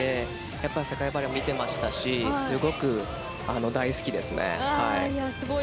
やっぱり世界バレー見てましたしすごく大好きですね。